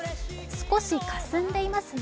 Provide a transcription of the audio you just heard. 少しかすんでいますね。